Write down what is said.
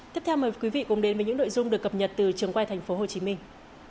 tiếp theo mời quý vị cùng đến với những nội dung được cập nhật từ trường quay thành phố hồ chí minh